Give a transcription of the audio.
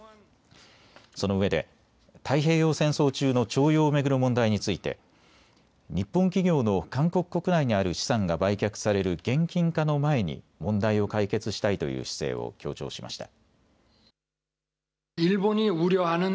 そのうえで太平洋戦争中の徴用を巡る問題について日本企業の韓国国内にある資産が売却される現金化の前に問題を解決したいという姿勢を強調しました。